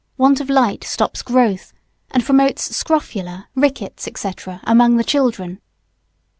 Want of light stops growth, and promotes scrofula, rickets, &c., among the children.